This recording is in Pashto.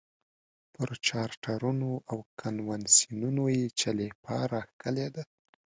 پر چارټرونو او کنونسینونو یې چلیپا راښکلې ده.